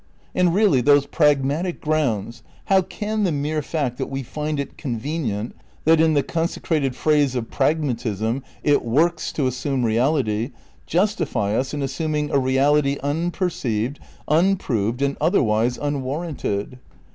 And, really, those pragmatic grounds — How ccm the mere fact that we find it convenient, that, in the consecrated phrase of pragmatism, it "works" to assume reality, justify us in assimiing a reality unperceived, unproved and otherwise unwarranted?